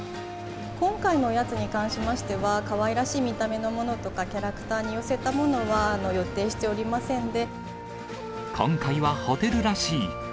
今回のおやつに関しましては、かわいらしい見た目のものとか、キャラクターに寄せたものは、予定しておりませんで。